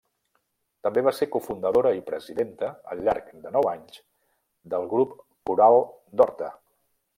També va ser cofundadora i presidenta, al llarg de nou anys, del Grup Coral d'Horta.